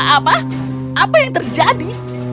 apa apa yang terjadi